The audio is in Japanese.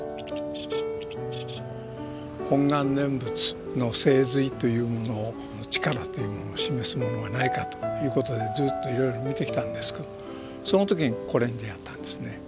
「本願念仏」の精髄というものを力というものを示すものはないかということでずっといろいろ見てきたんですけどその時にこれに出遭ったんですね。